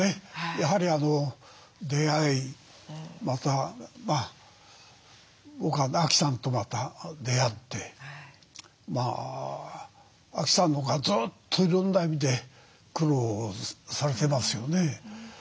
やはり出会いまた亜希さんとまた出会って亜希さんのほうがずっといろんな意味で苦労されてますよね。